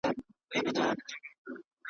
خالي کړي له بچو یې ځالګۍ دي .